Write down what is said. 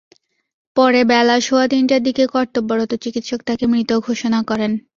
পরে বেলা সোয়া তিনটার দিকে কর্তব্যরত চিকিৎসক তাঁকে মৃত ঘোষণা করেন।